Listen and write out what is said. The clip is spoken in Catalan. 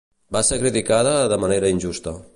Va ser criticada de manera injusta